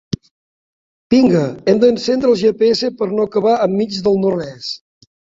Vinga, hem d'encendre el GPS per no acabar en mig del no-res.